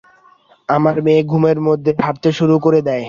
আমার মেয়ে ঘুমের মধ্যে হাঁটতে শুরু করে দেয়।